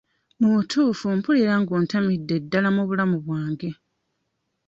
Mu butuufu mpulira nga ontamidde ddala mu bulamu bwange.